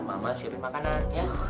mama siapin makanan ya